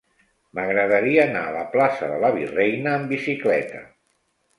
M'agradaria anar a la plaça de la Virreina amb bicicleta.